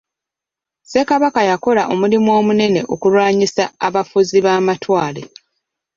Ssekabaka yakola omulimu omunene okulwanyisa abafuzi b'amatwale.